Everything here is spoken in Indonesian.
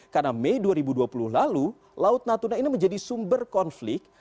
karena mei dua ribu dua puluh lalu laut natuna ini menjadi sumber konflik